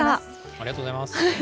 ありがとうございます。